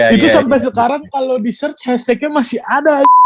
itu sampe sekarang kalo di search hashtagnya masih ada